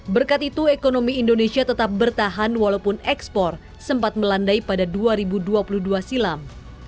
berkat itu ekonomi indonesia tetap bertahan walaupun ekspor sempat melandai pada dua ribu dua puluh dua silam